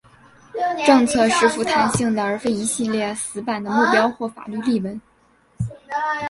政策是富弹性的而非一系列死板的目标或法律例文。